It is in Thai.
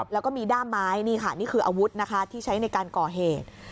แล้วก็มีด้ามไม้นี่ค่ะนี่คืออาวุธนะคะที่ใช้ในการก่อเหตุ